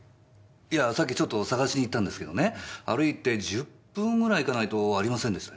いやさっきちょっと探しに行ったんですけどね歩いて１０分ぐらい行かないとありませんでしたよ。